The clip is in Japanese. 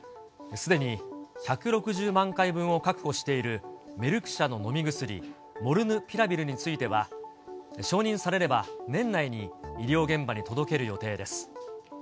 すでに１６０万回分を確保しているメルク社の飲み薬、モルヌピラビルについては、承認されれば年内に医療現場に届ける予定です。